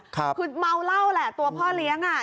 คือเมาเหล้าแหละตัวพ่อเลี้ยงอ่ะ